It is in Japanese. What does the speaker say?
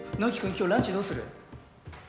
今日ランチどうする？